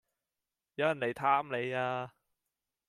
有人黎探你呀